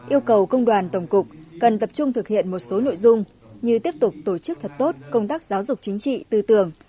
yêu cầu công đoàn tổng cục cần tập trung thực hiện một số nội dung như tiếp tục tổ chức thật tốt công tác giáo dục chính trị tư tưởng